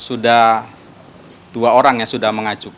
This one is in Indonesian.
ya sudah dua orang yang sudah mengajukan